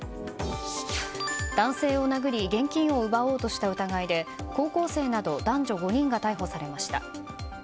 男性を殴り現金を奪おうとした疑いで高校生など男女５人が逮捕されました。